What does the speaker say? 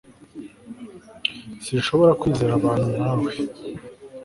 sinshobora kwizera abantu nka we